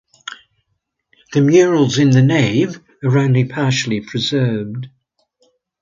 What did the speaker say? The murals in the nave are only partially preserved.